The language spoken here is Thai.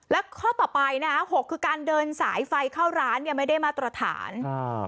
แล้วข้อต่อไปนะฮะหกคือการเดินสายไฟเข้าร้านเนี่ยไม่ได้มาตรฐานอ่า